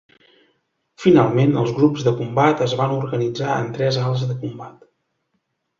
Finalment, els grups de combat es van organitzar en tres ales de combat.